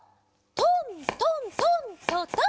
トントントントトン。